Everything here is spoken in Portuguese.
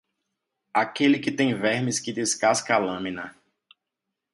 Aquele que tem vermes que descasca a lâmina.